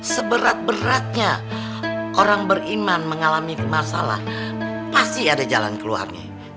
seberat beratnya orang beriman mengalami masalah pasti ada jalan keluarnya